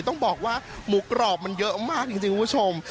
ต้องบอกว่าหมูกรอบมันเยอะมากจริงคุณผู้ชม